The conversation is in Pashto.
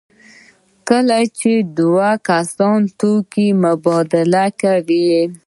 کله چې دوه کسان توکي مبادله کوي.